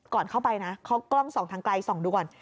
ก่อนเข้าไปนะเขากล้องส่องทางไกลส่องดูก่อน